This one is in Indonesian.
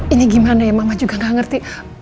ini gimana ya mama juga gak ngerti